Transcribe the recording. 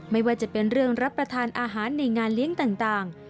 ไม่ว่าจะเป็นเรื่องรับประทานอาหารในงานเลี้ยงต่าง